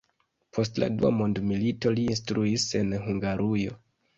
Post la dua mondmilito li instruis en Hungarujo.